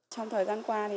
trong thời gian qua